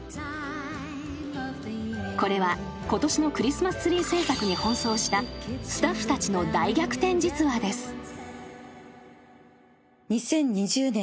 ［これはことしのクリスマスツリー製作に奔走したスタッフたちの大逆転実話です］えっ？